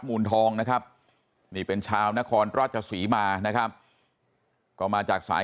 มูลทองนะครับนี่เป็นชาวนครราชศรีมานะครับก็มาจากสาย